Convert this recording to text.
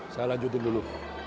saya lanjutin dulu